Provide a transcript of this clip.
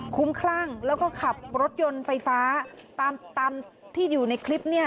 คุ้มคลั่งแล้วก็ขับรถยนต์ไฟฟ้าตามที่อยู่ในคลิปเนี่ย